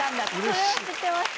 それは知ってました。